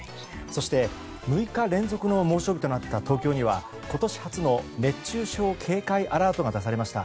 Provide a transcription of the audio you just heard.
そして６日連続の猛暑日となった東京には今年初の熱中症警戒アラートが出されました。